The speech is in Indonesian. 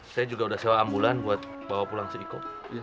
saya juga udah sewa ambulan buat bawa pulang si iko